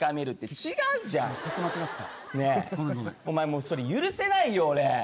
お前それ許せないよ俺。